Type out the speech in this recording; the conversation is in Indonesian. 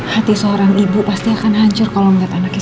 hati seorang ibu pasti akan hancur kalau melihat anak itu